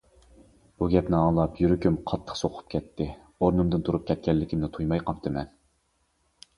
بۇ گەپنى ئاڭلاپ يۈرىكىم قاتتىق سوقۇپ كەتتى، ئورنۇمدىن تۇرۇپ كەتكەنلىكىمنى تۇيماي قاپتىمەن.